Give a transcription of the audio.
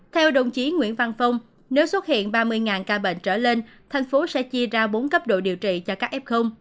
theo đồng chí nguyễn văn phong nếu xuất hiện ba mươi ca bệnh trở lên thành phố sẽ chia ra bốn cấp độ điều trị cho các f